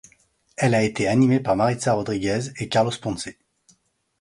Elle a été animée par Maritza Rodríguez et Carlos Ponce.